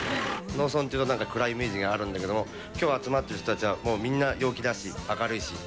農村っていうと、なんか暗いイメージがあるんだけど、きょう集まってる人たちは、もうみんな陽気だし、明るいし。